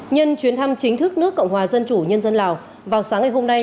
nhân chuyến thăm chính thức nước cộng hòa dân chủ nhân dân lào vào sáng ngày hôm nay